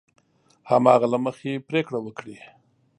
هماغه له مخې پرېکړه وکړي.